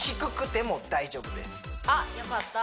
はいあっよかった